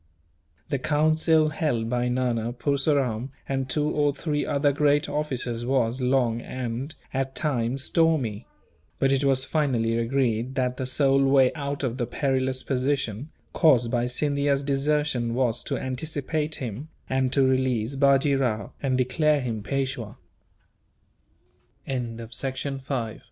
The council held by Nana, Purseram, and two or three other great officers was long and, at times, stormy; but it was finally agreed that the sole way out of the perilous position, caused by Scindia's desertion, was to anticipate him and to release Bajee Rao, and declare him Pe